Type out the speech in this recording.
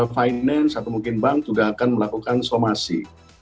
finance atau mungkin bank juga akan melakukan somasi